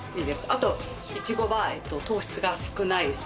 あとイチゴは糖質が少ないです。